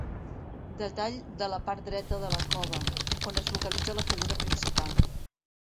Detall de la part dreta de la Cova, on es localitza la figura principal.